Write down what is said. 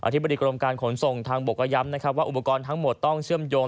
ธิบดีกรมการขนส่งทางบกก็ย้ำนะครับว่าอุปกรณ์ทั้งหมดต้องเชื่อมโยง